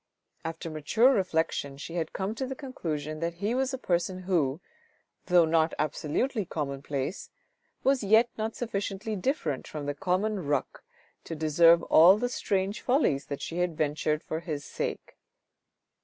After mature reflection, she had come to the conclusion that he was a person who, though not absolutely commonplace, was yet not sufficiently different from the common ruck to deserve all the strange follies that she had ventured for his sake.